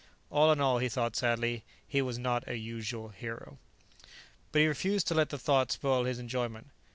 All in all, he thought sadly, he was not a usual hero. But he refused to let the thought spoil his enjoyment.